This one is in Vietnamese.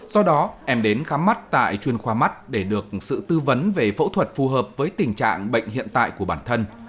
do đó em đến khám mắt tại chuyên khoa mắt để được sự tư vấn về phẫu thuật phù hợp với tình trạng bệnh hiện tại của bản thân